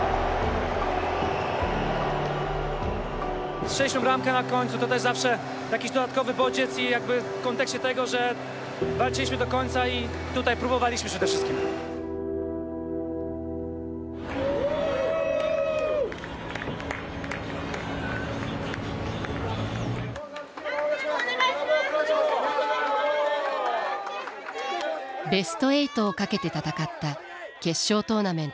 ベスト８をかけて戦った決勝トーナメント１回戦。